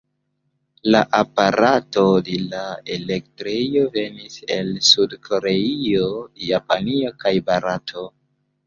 La aparataro de la elektrejo venis el Sud-Koreio, Japanio kaj Barato.